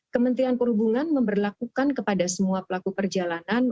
kementerian perhubungan memperlakukan kepada semua pelaku perjalanan